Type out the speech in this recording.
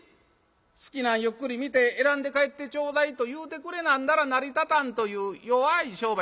好きなんゆっくり見て選んで帰ってちょうだい』と言うてくれなんだら成り立たんという弱い商売」。